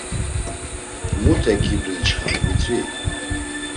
Mute ǩibri içxam, mitzvi?